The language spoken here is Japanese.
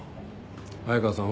早川さん